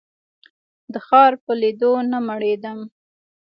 د ښار په لیدو نه مړېدم.